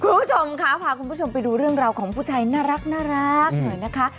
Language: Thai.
คุณผู้ชมค่ะพาคุณผู้ชมไปดูเรื่องราวของผู้ชายน่ารักหน่อยนะคะ